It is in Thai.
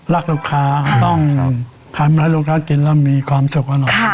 รักลูกค้าต้องมีความสุขมีความร้อน